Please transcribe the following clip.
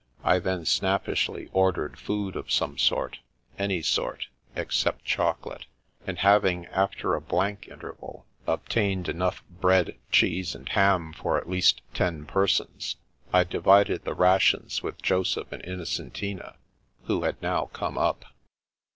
I then snappishly ordered food of some sort, any sort— except chocolate, — and having, after a blank interval, obtained enough bread, cheese, 170 The Princess Passes and ham for at least ten persons, I divided the rations with Joseph and Innocentina, who had now come tip.